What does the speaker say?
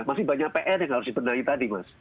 masih banyak pr yang harus dibenahi tadi mas